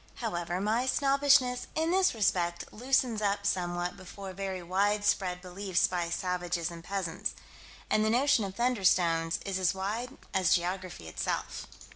However, my snobbishness, in this respect, loosens up somewhat before very widespread belief by savages and peasants. And the notion of "thunderstones" is as wide as geography itself.